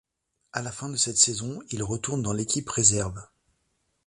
À la fin de cette saison, il retourne dans l'équipe réserve.